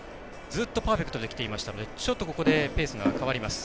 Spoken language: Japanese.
ずっとパーフェクトできていましたのでここで、ちょっとペースが変わります。